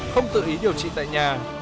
không tự ý điều trị tại nhà